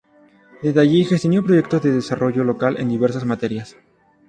Desde allí gestionó proyectos de desarrollo local en diversas materias.